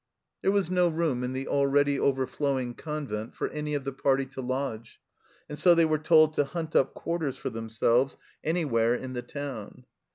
There was no room in the already overflowing convent for any of the party to lodge, and so they were told to hunt up quarters for themselves anywhere in the town.